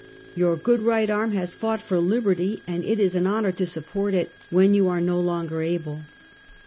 Your good right arm has fought for liberty, and it is an honor to support it, when you are no longer able."